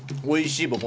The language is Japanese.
おいしい！